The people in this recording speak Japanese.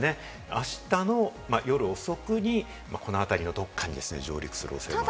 あしたの夜遅くに、このあたりのどこかに上陸するおそれがあると。